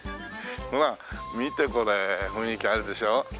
ほら見てこれ雰囲気あるでしょう？